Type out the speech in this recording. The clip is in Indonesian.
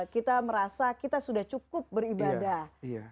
kita merasa kita sudah cukup beribadah